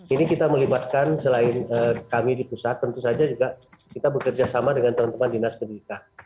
ini kita melibatkan selain kami di pusat tentu saja juga kita bekerja sama dengan teman teman dinas pendidikan